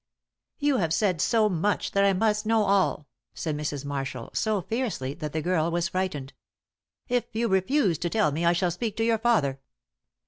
"You have said so much that I must know all," said Mrs. Marshall, so fiercely that the girl was frightened. "If you refuse to tell me, I shall speak to your father."